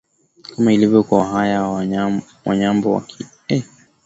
Kama ilivyo Kwa wahaya wanyambo wakiga wanyoro